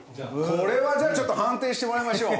これはじゃあちょっと判定してもらいましょう。